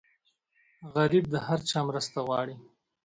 غریب د هر چا مرسته غواړي